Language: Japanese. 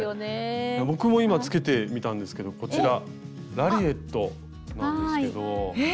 僕も今つけてみたんですけどこちらラリエットなんですけど。え！